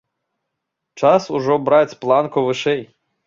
Час ужо браць планку вышэй.